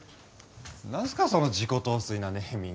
その自己陶酔なネーミング。